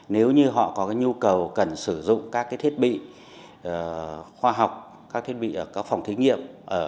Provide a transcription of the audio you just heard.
nếu như họ có nhu cầu cần sử dụng các thiết bị khoa học các thiết bị ở các phòng thí nghiệm